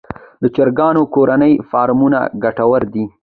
د چرګانو کورني فارمونه ګټور دي